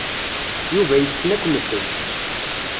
Yuba yessen akk medden.